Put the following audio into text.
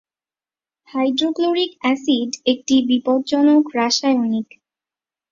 Hydrochloric acid একটি বিপজ্জনক রাসায়নিক।